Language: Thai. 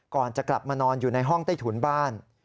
ก่อนจะกลับมานอนอยู่ในห้องใต้ถุนบ้าน